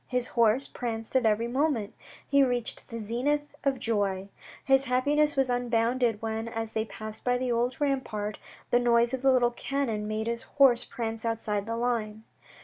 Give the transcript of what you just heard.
His horse pranced at every moment. He reached the zenith of joy. His happiness was unbounded when, as they passed by the old rampart, the noise of the little cannon made his horse prance outside the line.